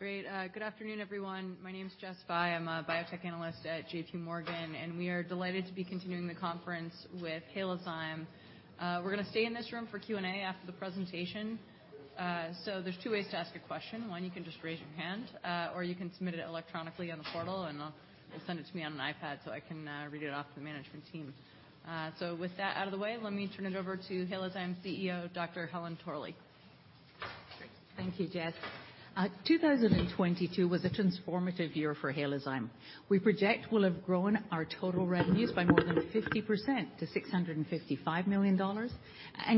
Great. Good afternoon, everyone. My name is Jess Fye. I'm a biotech analyst at J.P. Morgan. We are delighted to be continuing the conference with Halozyme. We're gonna stay in this room for Q&A after the presentation. There's two ways to ask a question. One, you can just raise your hand, or you can submit it electronically on the portal. They'll send it to me on an iPad, so I can read it off to the management team. With that out of the way, let me turn it over to Halozyme CEO, Dr. Helen Torley. Thank you, Jess. 2022 was a transformative year for Halozyme. We project we'll have grown our total revenues by more than 50% to $655 million,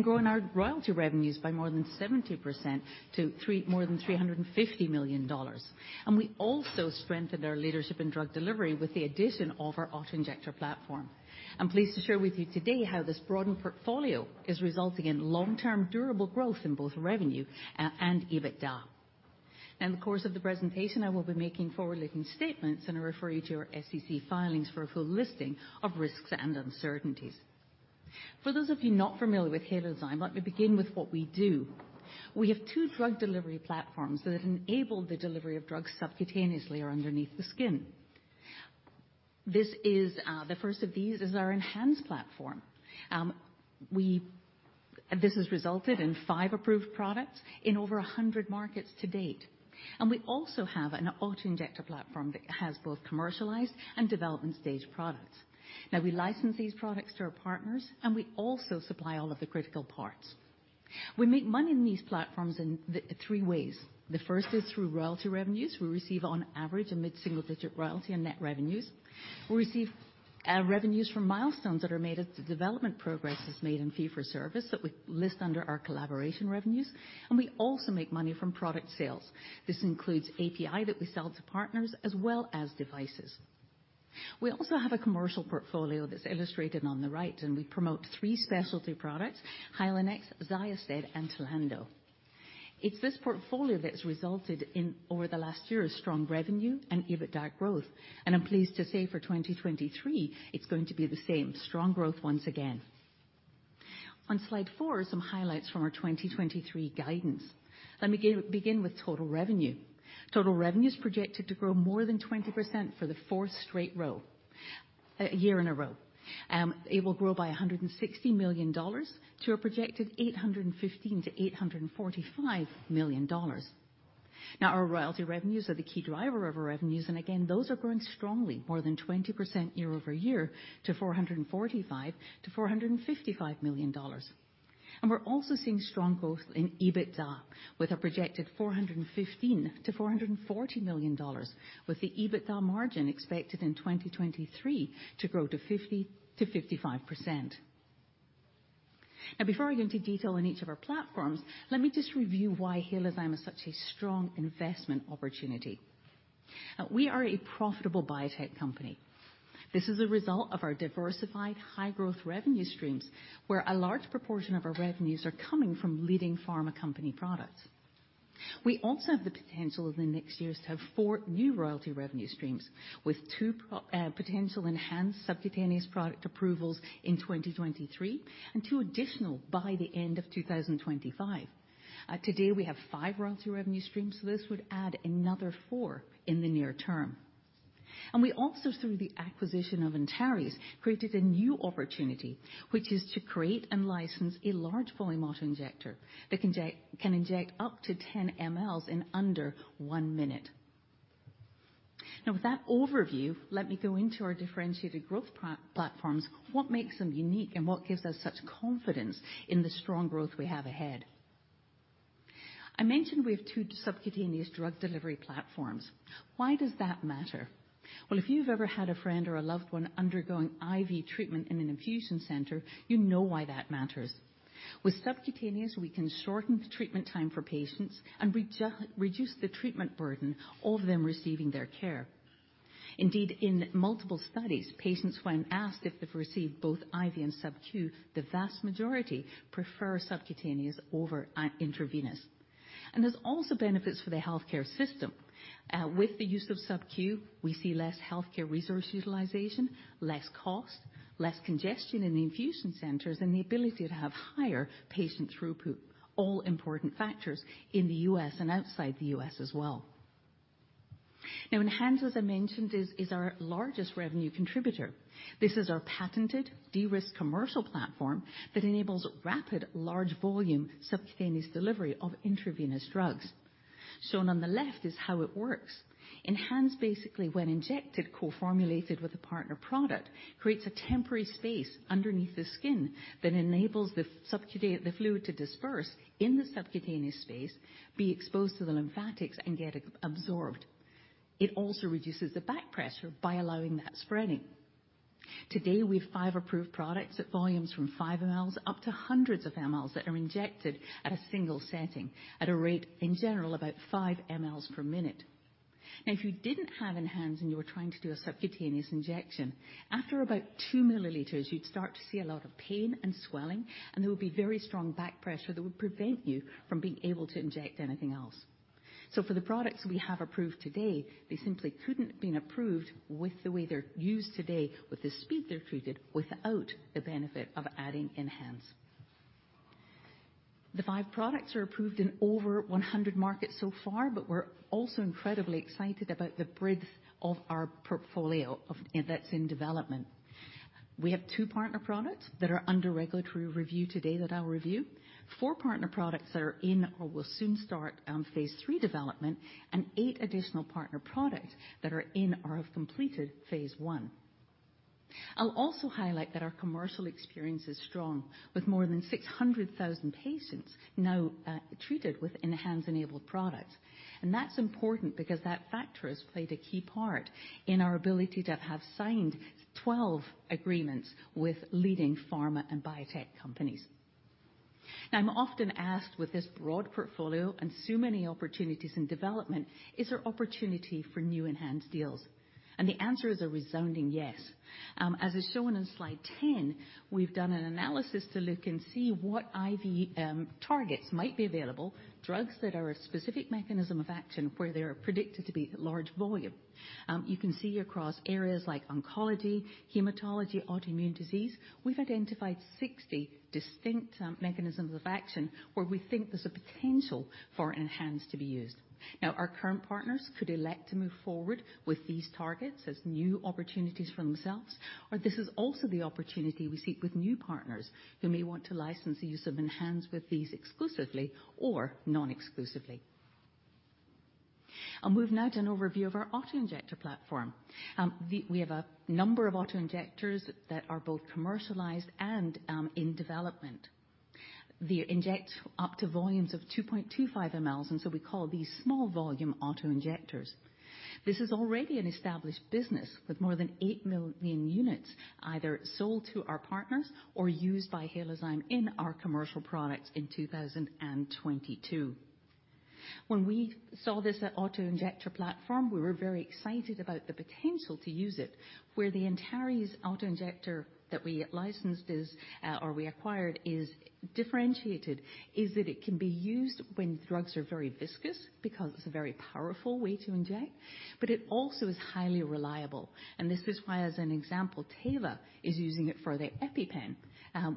grown our royalty revenues by more than 70% to more than $350 million. We also strengthened our leadership in drug delivery with the addition of our auto-injector platform. I'm pleased to share with you today how this broadened portfolio is resulting in long-term durable growth in both revenue and EBITDA. In the course of the presentation, I will be making forward-looking statements. I refer you to our SEC filings for a full listing of risks and uncertainties. For those of you not familiar with Halozyme, let me begin with what we do. We have two drug delivery platforms that enable the delivery of drugs subcutaneously or underneath the skin. The first of these is our ENHANZE platform. This has resulted in five approved products in over 100 markets to date. We also have an auto-injector platform that has both commercialized and development stage products. Now we license these products to our partners, and we also supply all of the critical parts. We make money in these platforms in three ways. The first is through royalty revenues. We receive on average a mid-single-digit royalty on net revenues. We receive revenues from milestones that are made as the development progress is made in fee for service that we list under our collaboration revenues, and we also make money from product sales. This includes API that we sell to partners as well as devices. We also have a commercial portfolio that's illustrated on the right, we promote three specialty products, Hylenex, XYOSTED, and TLANDO. It's this portfolio that's resulted in, over the last year, strong revenue and EBITDA growth. I'm pleased to say for 2023, it's going to be the same, strong growth once again. On slide four are some highlights from our 2023 guidance. Let me begin with total revenue. Total revenue is projected to grow more than 20% for the fourth straight year in a row. It will grow by $160 million to a projected $815 million-$845 million. Our royalty revenues are the key driver of our revenues, and again, those are growing strongly more than 20% year-over-year to $445 million-$455 million. We're also seeing strong growth in EBITDA, with a projected $415 million-$440 million, with the EBITDA margin expected in 2023 to grow to 50%-55%. Before I go into detail on each of our platforms, let me just review why Halozyme is such a strong investment opportunity. We are a profitable biotech company. This is a result of our diversified high growth revenue streams, where a large proportion of our revenues are coming from leading pharma company products. We also have the potential over the next years to have four new royalty revenue streams, with two potential enhanced subcutaneous product approvals in 2023 and two additional by the end of 2025. Today, we have five royalty revenue streams, so this would add another four in the near term. We also, through the acquisition of Antares, created a new opportunity, which is to create and license a large volume auto-injector that can inject up to 10 mls in under 1 minute. Now with that overview, let me go into our differentiated growth platforms, what makes them unique, and what gives us such confidence in the strong growth we have ahead. I mentioned we have two subcutaneous drug delivery platforms. Why does that matter? Well, if you've ever had a friend or a loved one undergoing IV treatment in an infusion center, you know why that matters. With subcutaneous, we can shorten the treatment time for patients and reduce the treatment burden of them receiving their care. In multiple studies, patients when asked if they've received both IV and subQ, the vast majority prefer subcutaneous over intravenous. There's also benefits for the healthcare system. With the use of subQ, we see less healthcare resource utilization, less cost, less congestion in infusion centers, and the ability to have higher patient throughput, all important factors in the U.S. and outside the U.S. As well. ENHANZE, as I mentioned, is our largest revenue contributor. This is our patented de-risk commercial platform that enables rapid large volume subcutaneous delivery of intravenous drugs. Shown on the left is how it works. ENHANZE basically when injected, co-formulated with a partner product, creates a temporary space underneath the skin that enables the fluid to disperse in the subcutaneous space, be exposed to the lymphatics and get absorbed. It also reduces the back pressure by allowing that spreading. Today, we have five approved products at volumes from 5 mLs up to hundreds of mLs that are injected at a single setting at a rate, in general, about 5 mLs per minute. Now, if you didn't have ENHANZE and you were trying to do a subcutaneous injection, after about 2 milliliters, you'd start to see a lot of pain and swelling, and there would be very strong back pressure that would prevent you from being able to inject anything else. For the products we have approved today, they simply couldn't have been approved with the way they're used today, with the speed they're treated without the benefit of adding ENHANZE. The five products are approved in over 100 markets so far, we're also incredibly excited about the breadth of our portfolio that's in development. We have two partner products that are under regulatory review today that I'll review. Four partner products that are in or will soon start phase III development, and eight additional partner products that are in or have completed phase I. I'll also highlight that our commercial experience is strong with more than 600,000 patients now treated with ENHANZE-enabled products. That's important because that factor has played a key part in our ability to have signed 12 agreements with leading pharma and biotech companies. I'm often asked, with this broad portfolio and so many opportunities and development, is there opportunity for new ENHANZE deals? The answer is a resounding yes. As is shown in slide 10, we've done an analysis to look and see what IV targets might be available, drugs that are a specific mechanism of action where they are predicted to be at large volume. You can see across areas like oncology, hematology, autoimmune disease, we've identified 60 distinct mechanisms of action where we think there's a potential for ENHANZE to be used. Our current partners could elect to move forward with these targets as new opportunities for themselves, or this is also the opportunity we seek with new partners who may want to license the use of ENHANZE with these exclusively or non-exclusively. I'll move now to an overview of our auto-injector platform. We have a number of auto-injectors that are both commercialized and in development. They inject up to volumes of 2.25 mL, and so we call these small volume auto-injectors. This is already an established business with more than 8 million units either sold to our partners or used by Halozyme in our commercial products in 2022. When we saw this auto-injector platform, we were very excited about the potential to use it. Where the Antares auto-injector that we licensed or we acquired is differentiated is that it can be used when drugs are very viscous because it's a very powerful way to inject, but it also is highly reliable. This is why, as an example, Teva is using it for their EpiPen,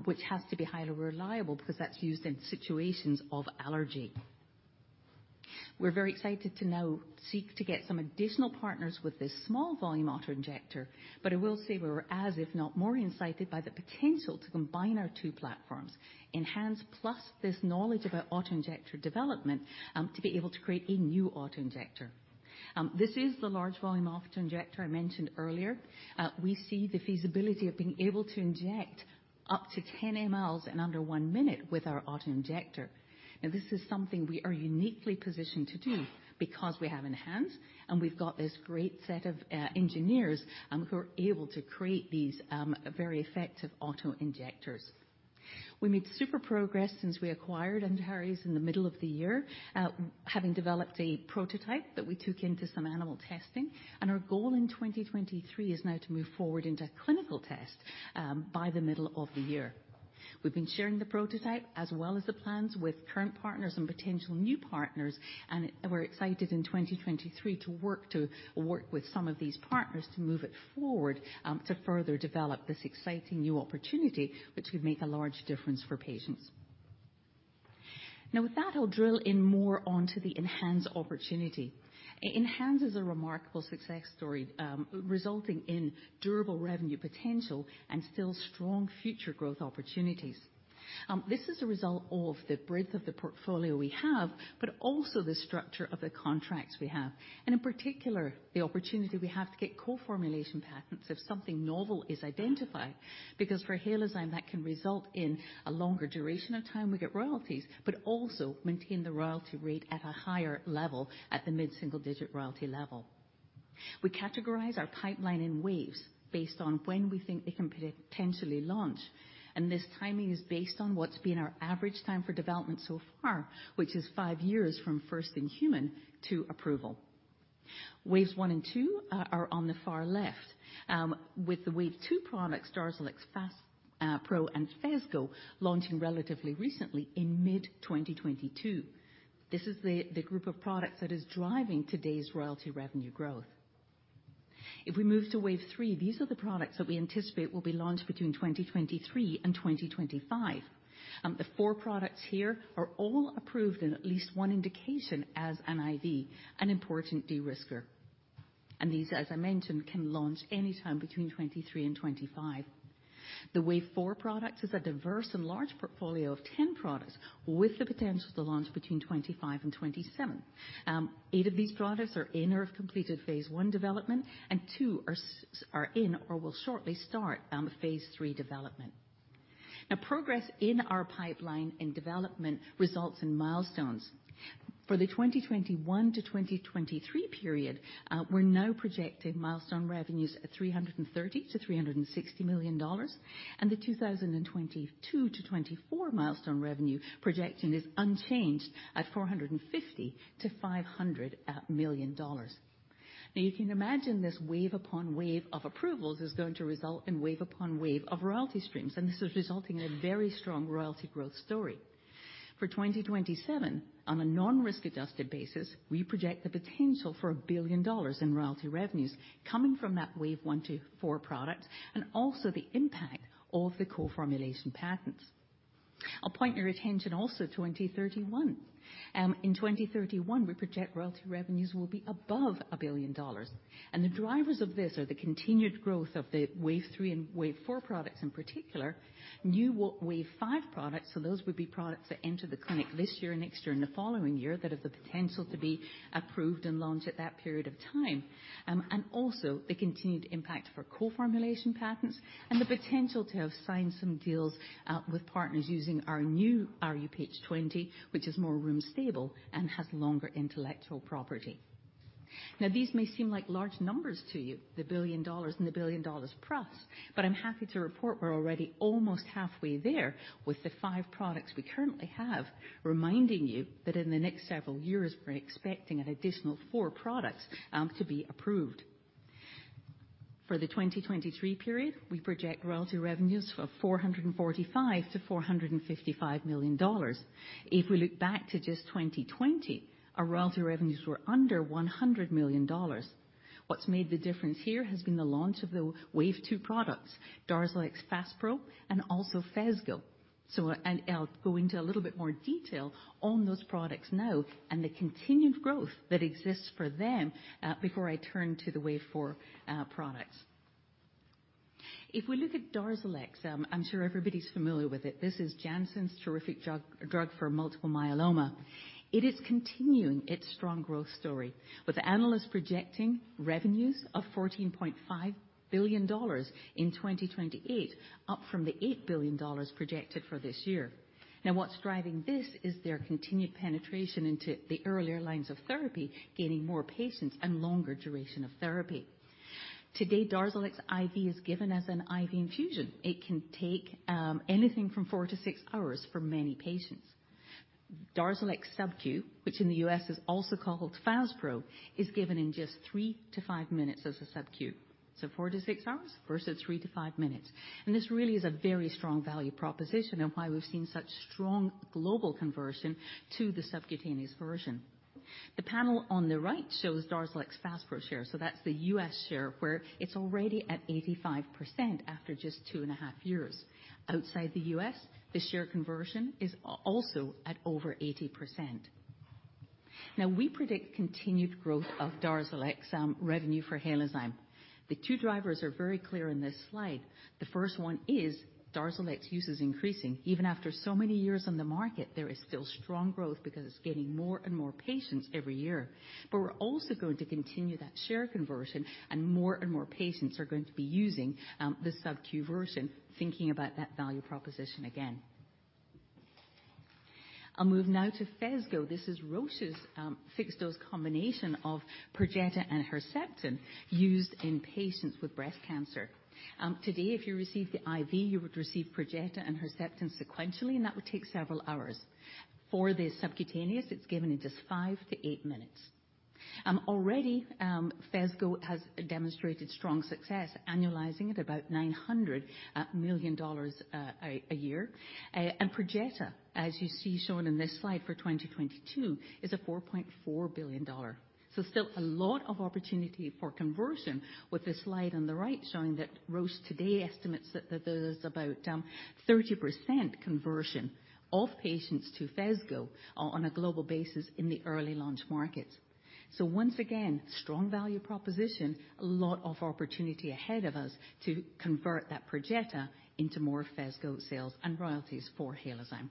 which has to be highly reliable because that's used in situations of allergy. We're very excited to now seek to get some additional partners with this small volume auto-injector, but I will say we're as if not more excited by the potential to combine our two platforms, ENHANZE plus this knowledge about auto-injector development, to be able to create a new auto-injector. This is the large volume auto-injector I mentioned earlier. We see the feasibility of being able to inject up to 10 mls in under one minute with our auto-injector. Now, this is something we are uniquely positioned to do because we have ENHANZE, and we've got this great set of engineers who are able to create these very effective auto-injectors. We made super progress since we acquired Antares in the middle of the year, having developed a prototype that we took into some animal testing. Our goal in 2023 is now to move forward into clinical tests by the middle of the year. We've been sharing the prototype as well as the plans with current partners and potential new partners, and we're excited in 2023 to work with some of these partners to move it forward to further develop this exciting new opportunity, which could make a large difference for patients. With that, I'll drill in more onto the ENHANZE opportunity. ENHANZE is a remarkable success story, resulting in durable revenue potential and still strong future growth opportunities. This is a result of the breadth of the portfolio we have, but also the structure of the contracts we have. In particular, the opportunity we have to get co-formulation patents if something novel is identified, because for Halozyme, that can result in a longer duration of time we get royalties, but also maintain the royalty rate at a higher level at the mid-single digit royalty level. We categorize our pipeline in waves based on when we think it can potentially launch, and this timing is based on what's been our average time for development so far, which is five years from first in human to approval. Waves 1 and 2 are on the far left, with the Wave 2 products, DARZALEX FASPRO and Fezgo, launching relatively recently in mid-2022. This is the group of products that is driving today's royalty revenue growth. We move to Wave 3, these are the products that we anticipate will be launched between 2023 and 2025. The four products here are all approved in at least one indication as an IV, an important de-risker. These, as I mentioned, can launch anytime between 2023 and 2025. The Wave 4 product is a diverse and large portfolio of 10 products with the potential to launch between 2025 and 2027. eight of these products are in or have completed phase I development, and II are in or will shortly start phase III development. Progress in our pipeline and development results in milestones. For the 2021-2023 period, we're now projecting milestone revenues at $330 million-$360 million, and the 2022-2024 milestone revenue projection is unchanged at $450 million-$500 million. You can imagine this wave upon wave of approvals is going to result in wave upon wave of royalty streams, and this is resulting in a very strong royalty growth story. For 2027, on a non-risk adjusted basis, we project the potential for $1 billion in royalty revenues coming from that Wave 1 to 4 product and also the impact of the co-formulation patents. I'll point your attention also to 2031. In 2031, we project royalty revenues will be above $1 billion. The drivers of this are the continued growth of the Wave 3 and wave 4 products in particular, new Wave 5 products. Those would be products that enter the clinic this year, next year, and the following year that have the potential to be approved and launched at that period of time. Also the continued impact for co-formulation patents and the potential to have signed some deals with partners using our new rHuPH20 which is more room stable and has longer intellectual property. These may seem like large numbers to you, the $1 billion and the $1 billion plus, but I'm happy to report we're already almost halfway there with the five products we currently have. Reminding you that in the next several years, we're expecting an additional four products to be approved. For the 2023 period, we project royalty revenues of $445 million-$455 million. If we look back to just 2020, our royalty revenues were under $100 million. What's made the difference here has been the launch of the wave two products, DARZALEX FASPRO and also Fezgo. And I'll go into a little bit more detail on those products now and the continued growth that exists for them, before I turn to the wave four products. If we look at DARZALEX, I'm sure everybody's familiar with it. This is Janssen's terrific drug for multiple myeloma. It is continuing its strong growth story with analysts projecting revenues of $14.5 billion in 2028, up from the $8 billion projected for this year. What's driving this is their continued penetration into the earlier lines of therapy, gaining more patients and longer duration of therapy. Today, DARZALEX IV is given as an IV infusion. It can take anything from 4-6 hours for many patients. DARZALEX SubQ, which in the U.S. is also called FASPRO, is given in just 3-5 minutes as a SubQ. 4-6 hours versus 3-5 minutes. This really is a very strong value proposition and why we've seen such strong global conversion to the subcutaneous version. The panel on the right shows DARZALEX FASPRO share. That's the U.S. share where it's already at 85% after just two and a half years. Outside the U.S., the share conversion is also at over 80%. We predict continued growth of DARZALEX revenue for Halozyme. The two drivers are very clear in this slide. The first one is DARZALEX use is increasing. Even after so many years on the market, there is still strong growth because it's gaining more and more patients every year. We're also going to continue that share conversion, and more and more patients are going to be using the SubQ version, thinking about that value proposition again. I'll move now to Fezgo. This is Roche's fixed dose combination of Perjeta and Herceptin used in patients with breast cancer. Today, if you receive the IV, you would receive Perjeta and Herceptin sequentially, and that would take several hours. For the subcutaneous, it's given in just 5 to 8 minutes. Already, Fezgo has demonstrated strong success, annualizing at about $900 million a year. Perjeta, as you see shown in this slide for 2022, is a $4.4 billion. Still a lot of opportunity for conversion with the slide on the right showing that Roche today estimates that there's about 30% conversion of patients to Fezgo on a global basis in the early launch markets. Once again, strong value proposition, a lot of opportunity ahead of us to convert that Perjeta into more Fezgo sales and royalties for Halozyme.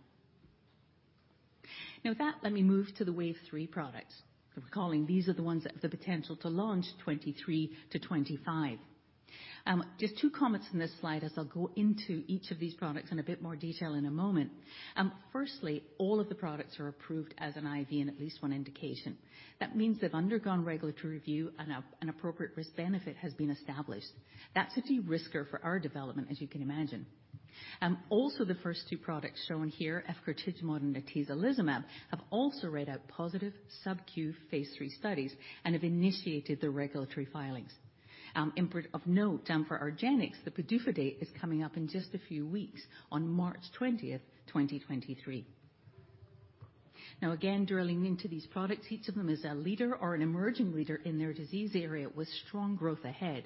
With that, let me move to the wave three products. Recalling these are the ones that have the potential to launch 23-25. Just two comments from this slide as I'll go into each of these products in a bit more detail in a moment. Firstly, all of the products are approved as an IV in at least 1 indication. That means they've undergone regulatory review and an appropriate risk-benefit has been established. That's a de-risker for our development, as you can imagine. Also the first two products shown here, Efgartigimod and Atezolizumab, have also read out positive subQ phase III studies and have initiated the regulatory filings. In of note, for argenx, the PDUFA date is coming up in just a few weeks on March 20, 2023. Again, drilling into these products, each of them is a leader or an emerging leader in their disease area with strong growth ahead.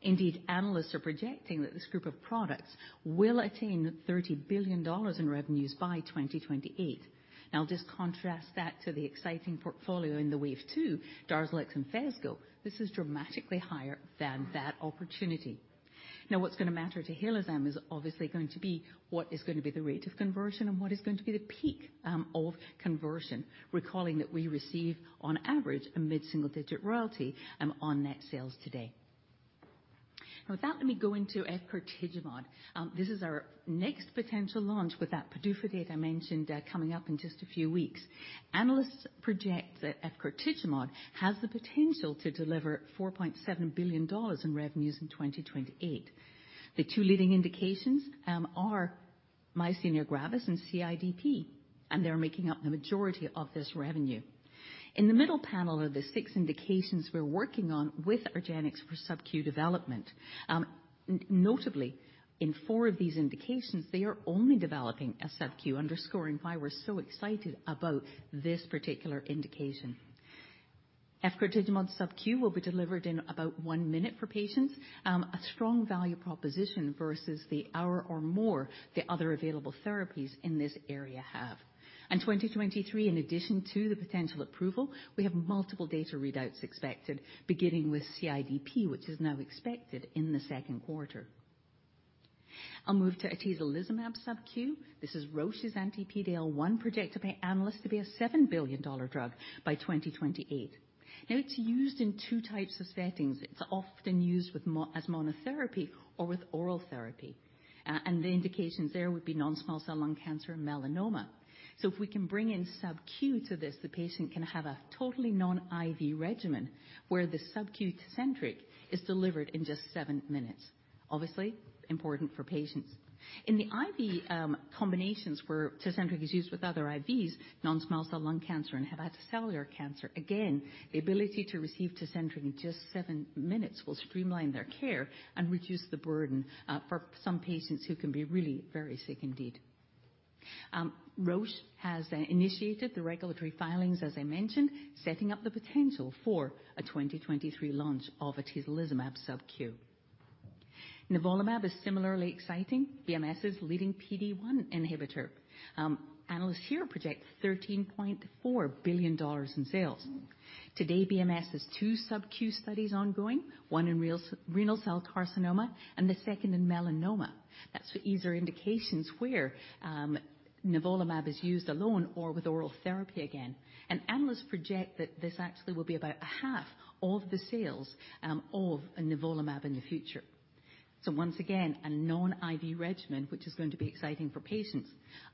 Indeed, analysts are projecting that this group of products will attain $30 billion in revenues by 2028. Just contrast that to the exciting portfolio in the Wave 2, DARZALEX and Fezgo. This is dramatically higher than that opportunity. What's gonna matter to Halozyme is obviously going to be what is going to be the rate of conversion and what is going to be the peak of conversion, recalling that we receive on average a mid-single-digit royalty on net sales today. With that, let me go into Efgartigimod. This is our next potential launch with that PDUFA date I mentioned, coming up in just a few weeks. Analysts project that Efgartigimod has the potential to deliver $4.7 billion in revenues in 2028. The two leading indications are myasthenia gravis and CIDP, and they're making up the majority of this revenue. In the middle panel are the six indications we're working on with argenx for subQ development. Notably, in four of these indications, they are only developing a subQ underscoring why we're so excited about this particular indication. Efgartigimod subQ will be delivered in about 1 minute for patients, a strong value proposition versus the hour or more the other available therapies in this area have. In 2023, in addition to the potential approval, we have multiple data readouts expected, beginning with CIDP, which is now expected in the second quarter. I'll move to Atezolizumab subQ. This is Roche's anti-PD-L1 projected by analysts to be a $7 billion drug by 2028. It's used in two types of settings. It's often used as monotherapy or with oral therapy. The indications there would be non-small cell lung cancer and melanoma. If we can bring in subQ to this, the patient can have a totally non-IV regimen where the subQ Tecentriq is delivered in just seven minutes. Obviously, important for patients. In the IV combinations where Tecentriq is used with other IVs, non-small cell lung cancer and hepatocellular carcinoma, again, the ability to receive Tecentriq in just seven minutes will streamline their care and reduce the burden for some patients who can be really very sick indeed. Roche has initiated the regulatory filings, as I mentioned, setting up the potential for a 2023 launch of Atezolizumab subQ. Nivolumab is similarly exciting, BMS's leading PD-1 inhibitor. Analysts here project $13.4 billion in sales. To date, BMS has two subQ studies ongoing, one in renal cell carcinoma and the second in melanoma. That's for easier indications where Nivolumab is used alone or with oral therapy again. Analysts project that this actually will be about a half of the sales of Nivolumab in the future. Once again, a non-IV regimen, which is going to be exciting for patients.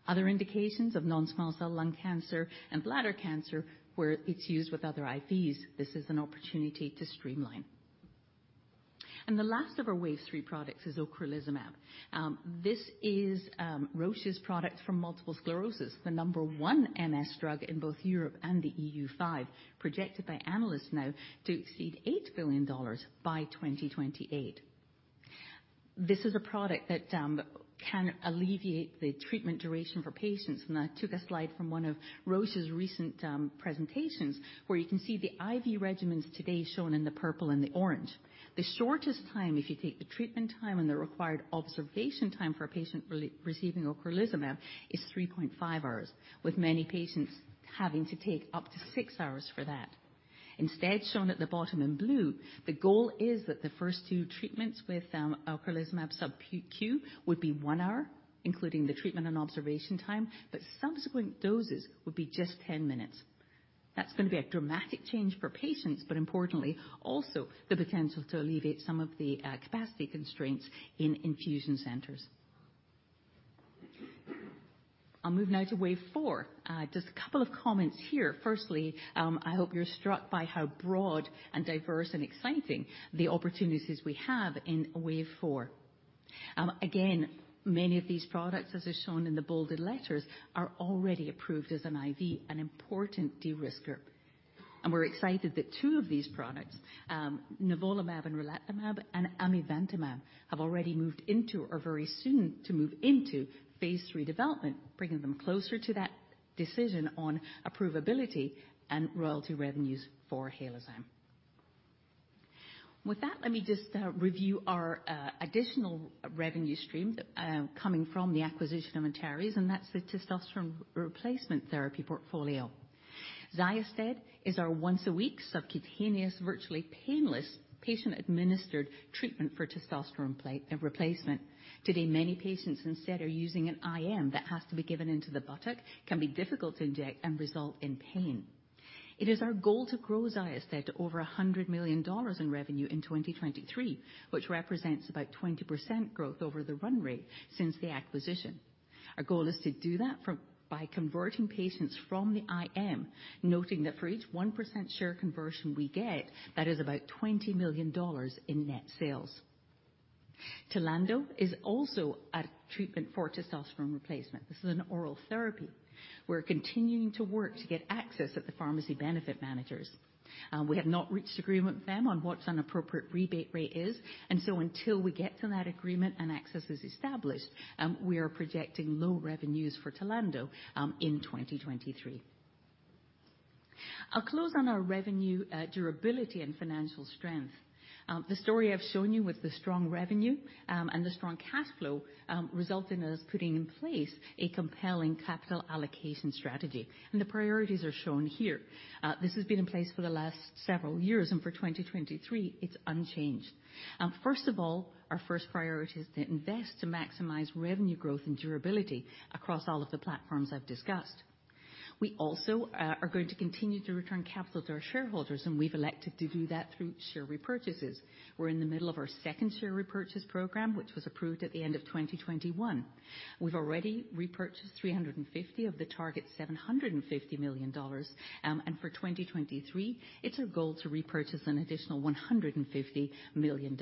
Other indications of non-small cell lung cancer and bladder cancer, where it's used with other IVs, this is an opportunity to streamline. The last of our Wave 3 products is Ocrelizumab. This is Roche's product for multiple sclerosis, the number one MS drug in both Europe and the EU 5, projected by analysts now to exceed $8 billion by 2028. This is a product that can alleviate the treatment duration for patients. I took a slide from one of Roche's recent presentations, where you can see the IV regimens today shown in the purple and the orange. The shortest time, if you take the treatment time and the required observation time for a patient re-receiving Ocrelizumab, is 3.5 hours, with many patients having to take up to 6 hours for that. Instead, shown at the bottom in blue, the goal is that the first two treatments with Ocrelizumab subQ would be 1 hour, including the treatment and observation time, but subsequent doses would be just 10 minutes. That's gonna be a dramatic change for patients, but importantly, also the potential to alleviate some of the capacity constraints in infusion centers. I'll move now to Wave Four. Just a couple of comments here. Firstly, I hope you're struck by how broad and diverse and exciting the opportunities we have in Wave Four. Again, many of these products, as are shown in the bolded letters, are already approved as an IV, an important de-risker. We're excited that two of these products, Nivolumab and Relatimab and Amivantamab, have already moved into or very soon to move into phase III development, bringing them closer to that decision on approvability and royalty revenues for Halozyme. With that, let me just review our additional revenue stream coming from the acquisition of Antares, and that's the testosterone replacement therapy portfolio. XYOSTED is our once a week subcutaneous, virtually painless, patient-administered treatment for testosterone replacement. Today, many patients instead are using an IM that has to be given into the buttock, can be difficult to inject and result in pain. It is our goal to grow XYOSTED to over $100 million in revenue in 2023, which represents about 20% growth over the run rate since the acquisition. Our goal is to do that by converting patients from the IM, noting that for each 1% share conversion we get, that is about $20 million in net sales. TLANDO is also a treatment for testosterone replacement. This is an oral therapy. We're continuing to work to get access at the pharmacy benefit managers. We have not reached agreement with them on what an appropriate rebate rate is. Until we get to that agreement and access is established, we are projecting low revenues for TLANDO in 2023. I'll close on our revenue durability and financial strength. The story I've shown you with the strong revenue and the strong cash flow resulting in us putting in place a compelling capital allocation strategy. The priorities are shown here. This has been in place for the last several years, and for 2023, it's unchanged. First of all, our first priority is to invest to maximize revenue growth and durability across all of the platforms I've discussed. We also are going to continue to return capital to our shareholders, and we've elected to do that through share repurchases. We're in the middle of our second share repurchase program, which was approved at the end of 2021. We've already repurchased 350 of the target $750 million. For 2023, it's our goal to repurchase an additional $150 million.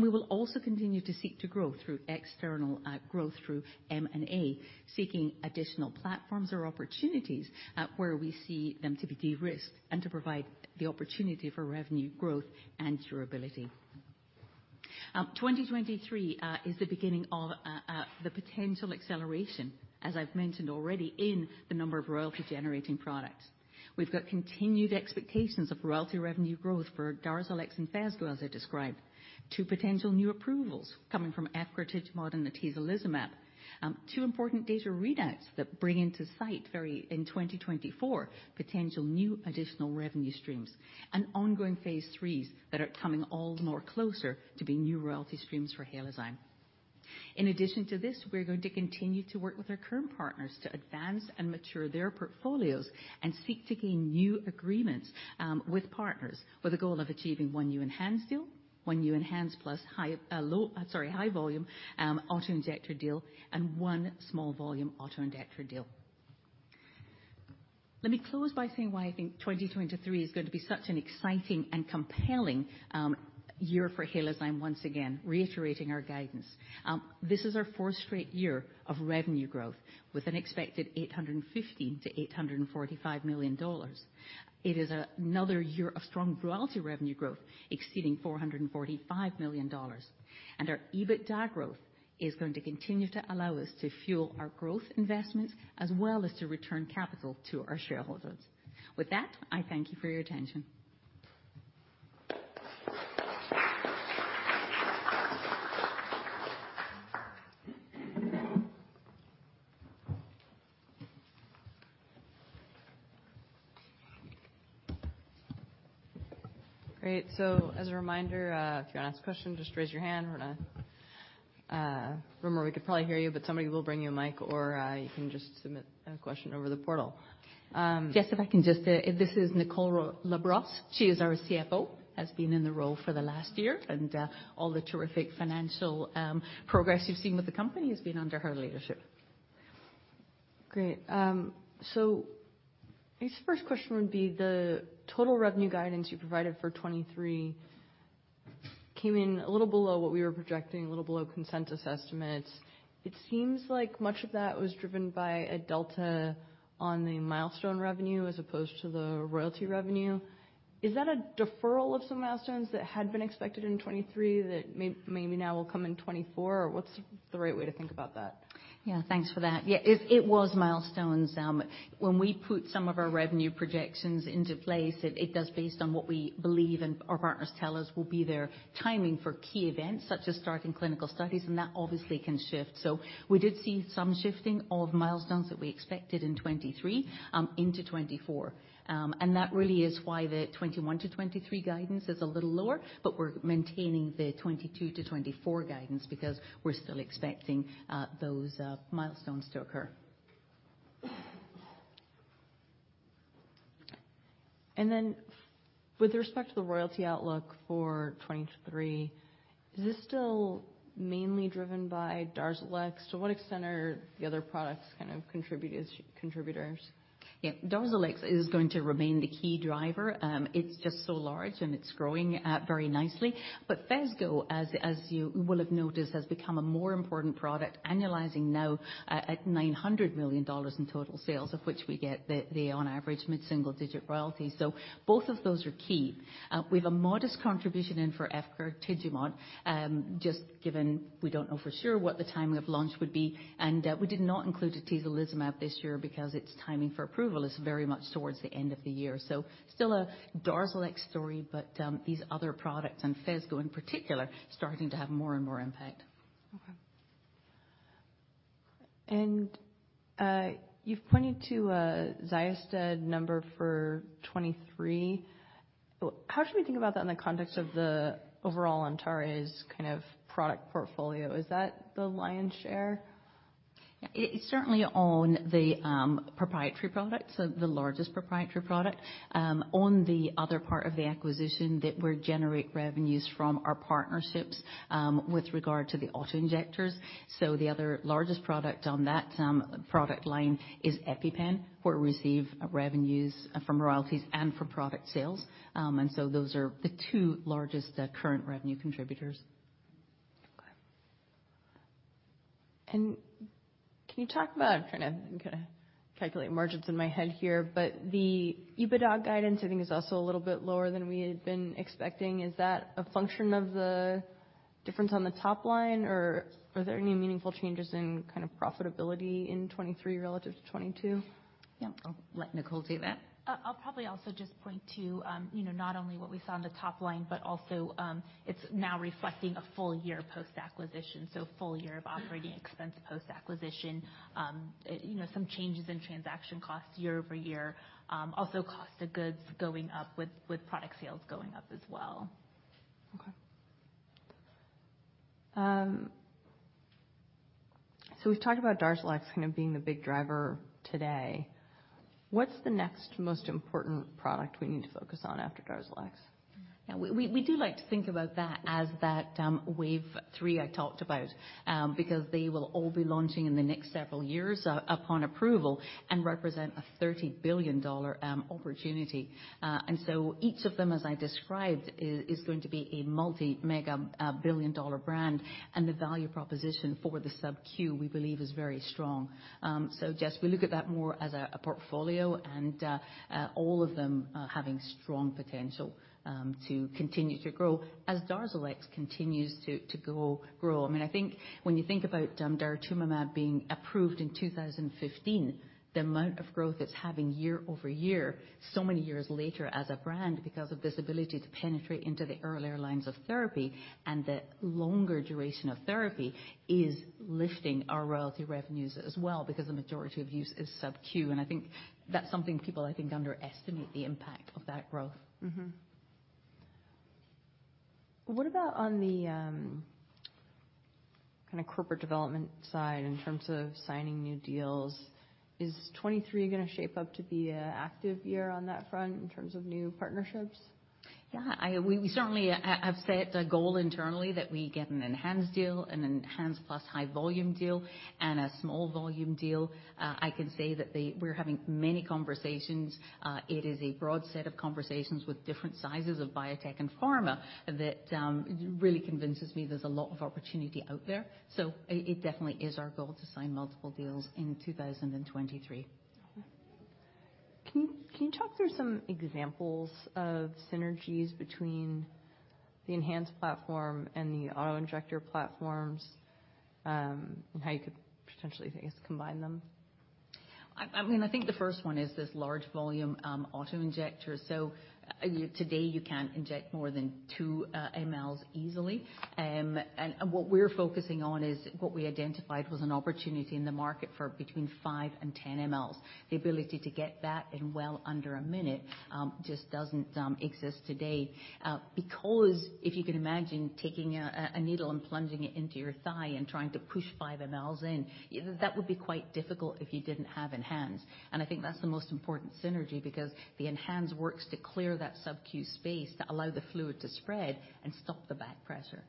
We will also continue to seek to grow through external growth through M&A, seeking additional platforms or opportunities where we see them to be de-risked and to provide the opportunity for revenue growth and durability. 2023 is the beginning of the potential acceleration, as I've mentioned already, in the number of royalty-generating products. We've got continued expectations of royalty revenue growth for DARZALEX and Fezgo, as I described. Two potential new approvals coming from Efgartigimod and Atezolizumab. Two important data readouts that bring into site very, in 2024, potential new additional revenue streams. Ongoing phase III that are coming all more closer to being new royalty streams for Halozyme. In addition to this, we're going to continue to work with our current partners to advance and mature their portfolios and seek to gain new agreements with partners, with the goal of achieving one new ENHANZE deal, one new ENHANZE plus high volume auto-injector deal, and one small volume auto-injector deal. Let me close by saying why I think 2023 is going to be such an exciting and compelling year for Halozyme, once again, reiterating our guidance. This is our fourth straight year of revenue growth with an expected $850 million-$845 million. It is another year of strong royalty revenue growth, exceeding $445 million. Our EBITDA growth is going to continue to allow us to fuel our growth investments as well as to return capital to our shareholders. With that, I thank you for your attention. Great. As a reminder, if you want to ask a question, just raise your hand or remember, we could probably hear you, but somebody will bring you a mic or you can just submit a question over the portal. Yes, if I can just. This is Nicole LaBrosse. She is our CFO, has been in the role for the last year. All the terrific financial progress you've seen with the company has been under her leadership. Great. I guess the first question would be the total revenue guidance you provided for 2023 came in a little below what we were projecting, a little below consensus estimates. It seems like much of that was driven by a delta on the milestone revenue as opposed to the royalty revenue. Is that a deferral of some milestones that had been expected in 2023 that maybe now will come in 2024? Or what's the right way to think about that? Yeah, thanks for that. Yeah, it was milestones. When we put some of our revenue projections into place, it does based on what we believe and our partners tell us will be their timing for key events, such as starting clinical studies, and that obviously can shift. We did see some shifting of milestones that we expected in 2023, into 2024. That really is why the 2021 to 2023 guidance is a little lower, but we're maintaining the 2022 to 2024 guidance because we're still expecting those milestones to occur. With respect to the royalty outlook for 2023, is this still mainly driven by DARZALEX? To what extent are the other products kind of contributors? Yeah. DARZALEX is going to remain the key driver. It's just so large and it's growing very nicely. Fezgo, as you will have noticed, has become a more important product, annualizing now at $900 million in total sales, of which we get the on average mid-single-digit royalty. Both of those are key. We've a modest contribution in for Efgartigimod, just given we don't know for sure what the timing of launch would be. We did not include Atezolizumab this year because its timing for approval is very much towards the end of the year. Still a DARZALEX story, but these other products, and Fezgo in particular, starting to have more and more impact. Okay. You've pointed to a XYOSTED number for 2023. How should we think about that in the context of the overall Antares kind of product portfolio? Is that the lion's share? Yeah. It's certainly on the proprietary products, so the largest proprietary product. On the other part of the acquisition that we generate revenues from are partnerships with regard to the auto-injectors. The other largest product on that product line is EpiPen, where we receive revenues from royalties and from product sales. Those are the two largest current revenue contributors. Okay. Can you talk about I'm trying to kinda calculate margins in my head here, but the EBITDA guidance, I think is also a little bit lower than we had been expecting. Is that a function of the difference on the top line, or are there any meaningful changes in kind of profitability in 2023 relative to 2022? Yeah. I'll let Nicole take that. I'll probably also just point to, you know, not only what we saw on the top line, but also, it's now reflecting a full year post-acquisition, so full year of operating expense post-acquisition. You know, some changes in transaction costs year-over-year. Cost of goods going up with product sales going up as well. We've talked about DARZALEX kind of being the big driver today. What's the next most important product we need to focus on after DARZALEX? We, we do like to think about that as that Wave3 I talked about, because they will all be launching in the next several years upon approval and represent a $30 billion opportunity. Each of them, as I described, is going to be a multi-mega billion dollar brand. The value proposition for the SubQ, we believe is very strong. Tessa Romero, we look at that more as a portfolio and all of them having strong potential to continue to grow as DARZALE X continues to go grow. I mean, I think when you think about Daratumumab being approved in 2015, the amount of growth it's having year-over-year, so many years later as a brand because of this ability to penetrate into the earlier lines of therapy and the longer duration of therapy is lifting our royalty revenues as well, because the majority of use is SubQ. I think that's something people, I think, underestimate the impact of that growth. Mm-hmm. What about on the, kinda corporate development side in terms of signing new deals? Is 2023 gonna shape up to be a active year on that front in terms of new partnerships? I certainly have set a goal internally that we get an ENHANZE deal, an ENHANZE plus high volume deal, and a small volume deal. I can say that we're having many conversations. It is a broad set of conversations with different sizes of biotech and pharma that really convinces me there's a lot of opportunity out there. It definitely is our goal to sign multiple deals in 2023. Okay. Can you talk through some examples of synergies between the ENHANZE platform and the auto-injector platforms, how you could potentially, I guess, combine them? I mean, I think the first one is this large volume auto-injector. Today you can't inject more than 2 mLs easily. What we're focusing on is what we identified was an opportunity in the market for between 5 and 10 mLs. The ability to get that in well under a minute just doesn't exist today. Because if you can imagine taking a needle and plunging it into your thigh and trying to push 5 mLs in, that would be quite difficult if you didn't have ENHANZE. I think that's the most important synergy because the ENHANZE works to clear that subQ space to allow the fluid to spread and stop the backpressure.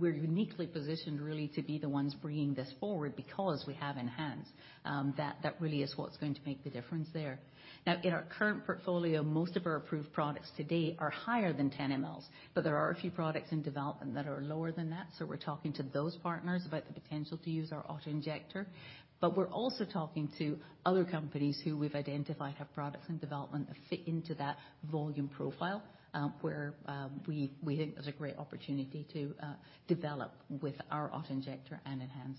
We're uniquely positioned really to be the ones bringing this forward because we have ENHANZE that really is what's going to make the difference there. Now, in our current portfolio, most of our approved products to date are higher than 10 mLs, but there are a few products in development that are lower than that. We're talking to those partners about the potential to use our auto-injector. We're also talking to other companies who we've identified have products in development that fit into that volume profile, where we think there's a great opportunity to develop with our auto-injector and ENHANZE.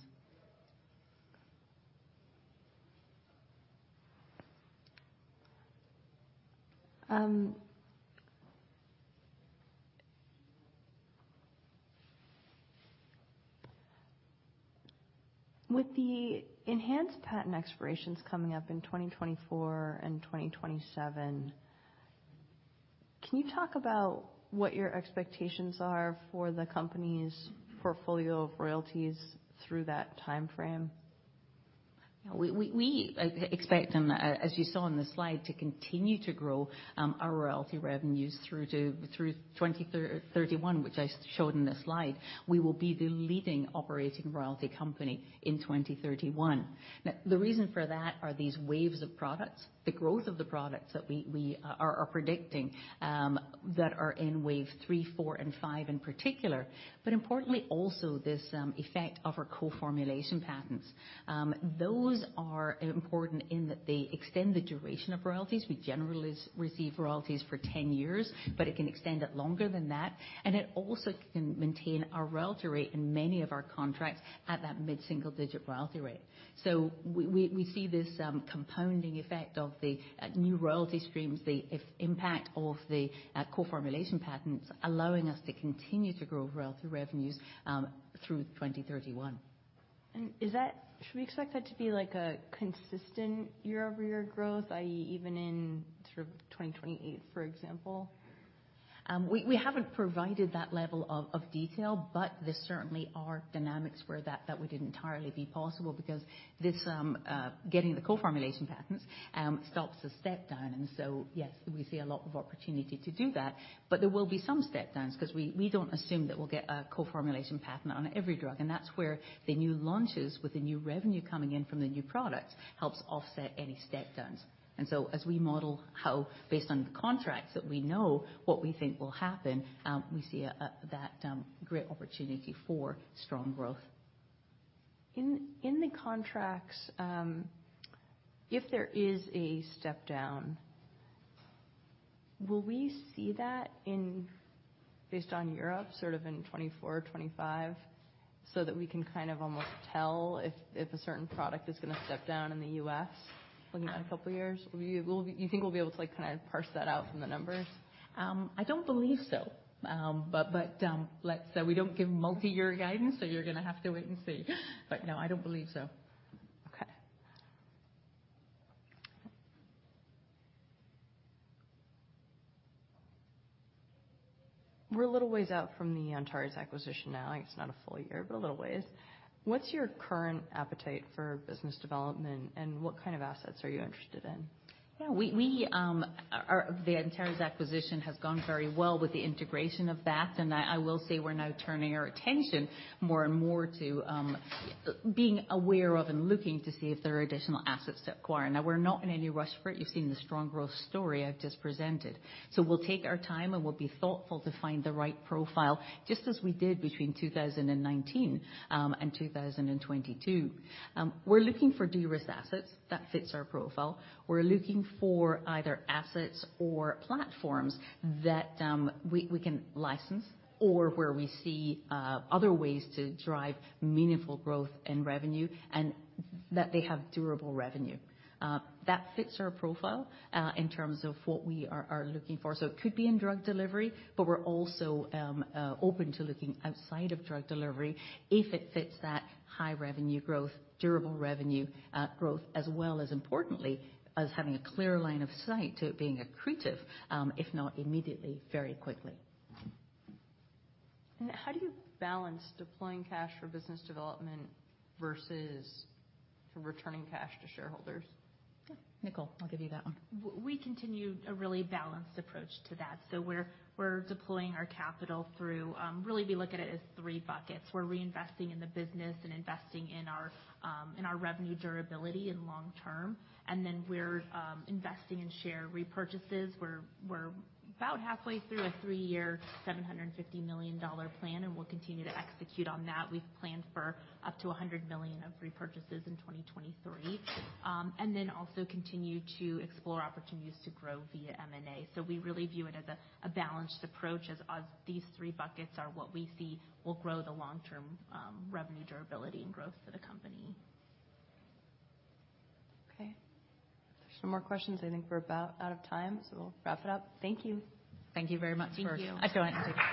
With the ENHANZE patent expirations coming up in 2024 and 2027, can you talk about what your expectations are for the company's portfolio of royalties through that timeframe? We expect, as you saw in the slide, to continue to grow our royalty revenues through 2031, which I showed in the slide. We will be the leading operating royalty company in 2031. The reason for that are these waves of products, the growth of the products that we are predicting that are in Wave 3, four, and five in particular, but importantly also this effect of our co-formulation patents. Those are important in that they extend the duration of royalties. We generally receive royalties for ten years, but it can extend it longer than that. It also can maintain our royalty rate in many of our contracts at that mid-single digit royalty rate. We see this compounding effect of the new royalty streams, the impact of the co-formulation patents allowing us to continue to grow royalty revenues through 2031. Should we expect that to be like a consistent year-over-year growth, i.e., even in sort of 2028, for example? We haven't provided that level of detail, but there certainly are dynamics where that would entirely be possible because this getting the co-formulation patents stops the step down. Yes, we see a lot of opportunity to do that. There will be some step downs 'cause we don't assume that we'll get a co-formulation patent on every drug. That's where the new launches with the new revenue coming in from the new products helps offset any step downs. As we model how based on the contracts that we know what we think will happen, we see a great opportunity for strong growth. In the contracts, if there is a step down, will we see that in, based on Europe, sort of in 2024 or 2025 so that we can kind of almost tell if a certain product is gonna step down in the U.S. looking at a couple of years? Will you think we'll be able to like kinda parse that out from the numbers? I don't believe so. Let's say we don't give multi-year guidance, so you're gonna have to wait and see. No, I don't believe so. Okay. We're a little ways out from the Antares acquisition now. It's not a full year, but a little ways. What's your current appetite for business development, what kind of assets are you interested in? Yeah. We the Antares acquisition has gone very well with the integration of that. I will say we're now turning our attention more and more to being aware of and looking to see if there are additional assets at out there. We're not in any rush for it. You've seen the strong growth story I've just presented. We'll take our time, and we'll be thoughtful to find the right profile, just as we did between 2019 and 2022. We're looking for de-risk assets that fits our profile. We're looking for either assets or platforms that we can license or where we see other ways to drive meaningful growth and revenue and that they have durable revenue. That fits our profile in terms of what we are looking for. It could be in drug delivery, but we're also open to looking outside of drug delivery if it fits that high revenue growth, durable revenue growth, as well as importantly as having a clear line of sight to it being accretive, if not immediately, very quickly. How do you balance deploying cash for business development versus returning cash to shareholders? Yeah. Nicole, I'll give you that one. We continue a really balanced approach to that. We're deploying our capital through really we look at it as three buckets. We're reinvesting in the business and investing in our in our revenue durability in long term. We're investing in share repurchases. We're about halfway through a three-year, $750 million plan, and we'll continue to execute on that. We've planned for up to $100 million of repurchases in 2023. Also continue to explore opportunities to grow via M&A. We really view it as a balanced approach as these three buckets are what we see will grow the long-term revenue durability and growth for the company. Okay. If there's no more questions, I think we're about out of time. We'll wrap it up. Thank you. Thank you very much. Thank you. I'd go ahead and take